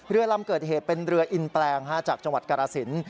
เรือลำเกิดเหตุเป็นเรืออินแปลงจากจังหวัดกรสิน